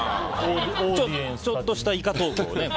ちょっとしたイカトークを。